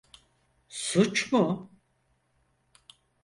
Suç mu?